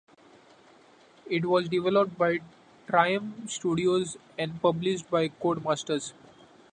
It was developed by Triumph Studios and published by Codemasters.